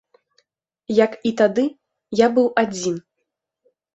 Як і тады, я быў адзін.